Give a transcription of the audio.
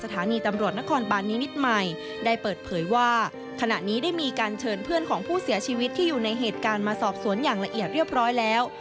ที่อยู่ในเหตุการณ์มาสอบสวนอย่างละเอียดเรียบร้อยแล้ว